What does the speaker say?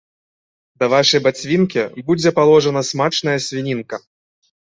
Да вашай бацвінкі будзе паложана смачная свінінка.